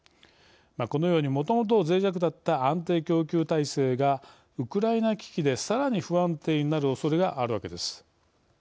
このようにもともとぜい弱だった安定供給体制がウクライナ危機でさらに不安定になるおそれがあるわけです。